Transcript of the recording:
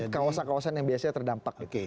kawasan kawasan yang biasanya terdampak